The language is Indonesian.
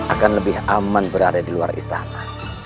akan lebih aman berada di luar istana